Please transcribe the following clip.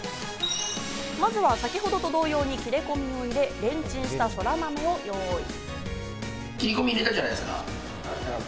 まずは先ほどと同様に切れ込みを入れ、レンチンしたそらまめを用意。